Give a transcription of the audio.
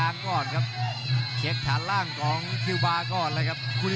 นกระจิบจอยยางก่อนครับ